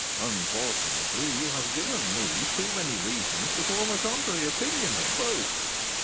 "Unfortunately, you have given me too many reasons to form a contrary opinion of both.